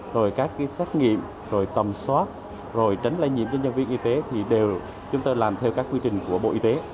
rồi các cái xét nghiệm rồi tầm soát rồi tránh lây nhiễm cho nhân viên y tế thì đều chúng tôi làm theo các quy trình của bộ y tế